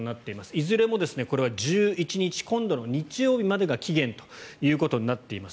いずれもこれは１１日今度の日曜日までが期限となっています。